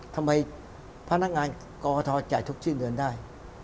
พนักงานกทจ่ายทุกชื่อเดือนได้